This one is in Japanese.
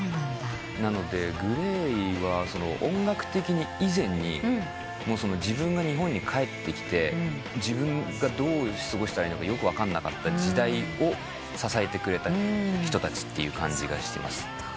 なのでＧＬＡＹは音楽的以前に自分が日本に帰ってきて自分がどう過ごしたらいいのかよく分かんなかった時代を支えてくれた人たちって感じがしてます。